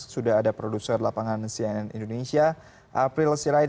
sudah ada produser lapangan cnn indonesia april sirait